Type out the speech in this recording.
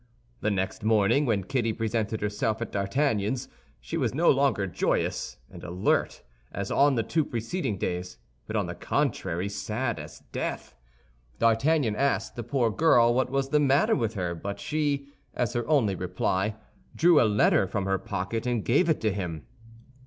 The next morning, when Kitty presented herself at D'Artagnan's, she was no longer joyous and alert as on the two preceding days; but on the contrary sad as death. D'Artagnan asked the poor girl what was the matter with her; but she, as her only reply, drew a letter from her pocket and gave it to him.